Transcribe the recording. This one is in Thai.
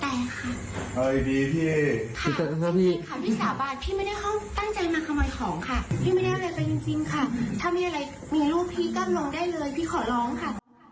ถ้ามีอะไรมีรูปพี่กั้นลงได้เลยพี่ขอร้องค่ะ